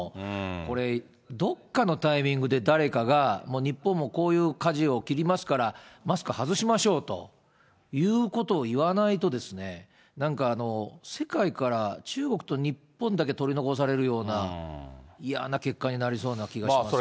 これ、どっかのタイミングで誰かが、もう日本もこういうかじを切りますから、マスク外しましょうということを言わないと、なんか、世界から中国と日本だけ取り残されるような、嫌な結果になりそうな気がします。